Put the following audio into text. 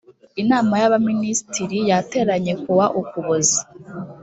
inama y abaminisitiri yateranye kuwa ukuboza